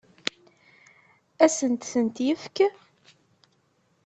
Ad asent-tent-yefk?